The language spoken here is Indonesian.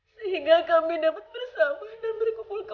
sehingga kami dapat bersama dan berkumpul kembali seperti sebelumnya